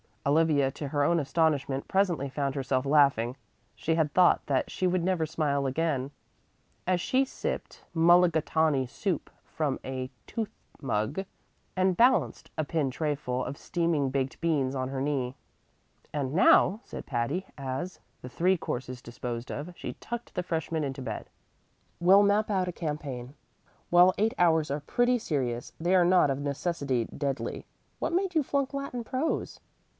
Olivia, to her own astonishment, presently found herself laughing (she had thought that she would never smile again) as she sipped mulligatawny soup from a tooth mug and balanced a pin trayful of steaming baked beans on her knee. "And now," said Patty, as, the three courses disposed of, she tucked the freshman into bed, "we'll map out a campaign. While eight hours are pretty serious, they are not of necessity deadly. What made you flunk Latin prose?"